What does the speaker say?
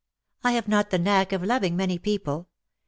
^' I have not the knack of loving many people.